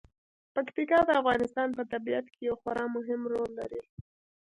پکتیکا د افغانستان په طبیعت کې یو خورا مهم رول لري.